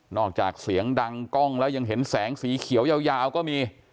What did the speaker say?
จากเสียงดังกล้องแล้วยังเห็นแสงสีเขียวยาวก็มี